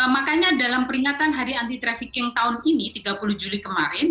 makanya dalam peringatan hari anti trafficking tahun ini tiga puluh juli kemarin